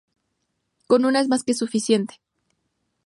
Con una es más que suficiente.